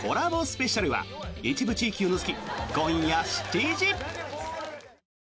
スペシャルは一部地域を除き、今夜７時。